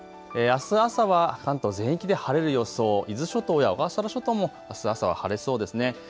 あす朝は関東全域で晴れる予想、伊豆諸島や小笠原諸島もあす朝は晴れそうです。